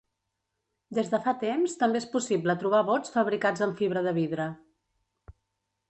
Des de fa temps també és possible trobar bots fabricats amb fibra de vidre.